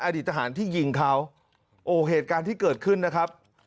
อดีตทหารที่ยิงเขาโอ้เหตุการณ์ที่เกิดขึ้นนะครับ